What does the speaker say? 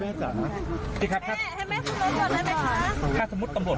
ปี๖๕วันเกิดปี๖๔ไปร่วมงานเช่นเดียวกัน